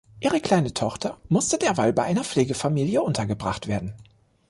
Ihre kleine Tochter musste derweil bei einer Pflegefamilie untergebracht werden.